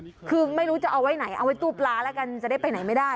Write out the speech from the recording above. คือไม่รู้จะเอาไว้ไหนเอาไว้ตู้ปลาแล้วกันจะได้ไปไหนไม่ได้